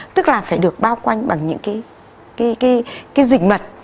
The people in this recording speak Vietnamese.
tức là phải được bao quanh bằng những cái dịch mật